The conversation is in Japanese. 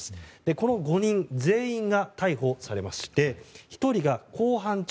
この５人全員が逮捕されまして１人が公判中。